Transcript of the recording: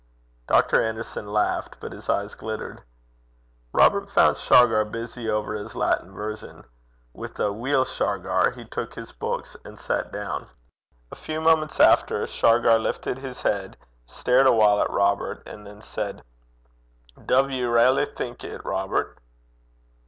Dr. Anderson laughed, but his eyes glittered. Robert found Shargar busy over his Latin version. With a 'Weel, Shargar,' he took his books and sat down. A few moments after, Shargar lifted his head, stared a while at Robert, and then said, 'Duv you railly think it, Robert?'